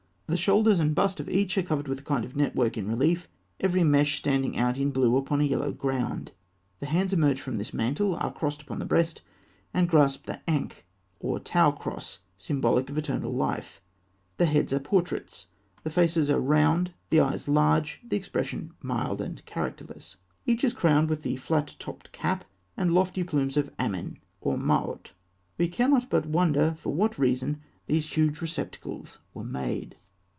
The shoulders and bust of each are covered with a kind of network in relief, every mesh standing out in blue upon a yellow ground. The hands emerge from this mantle, are crossed upon the breast, and grasp the Ankh, or Tau cross, symbolic of eternal life. The heads are portraits. The faces are round, the eyes large, the expression mild and characterless. Each is crowned with the flat topped cap and lofty plumes of Amen or Maut. We cannot but wonder for what reason these huge receptacles were made.